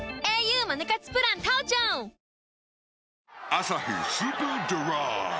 「アサヒスーパードライ」